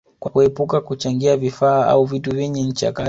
kwa kuepuka kuchangia vifaa au vitu vyenye ncha kali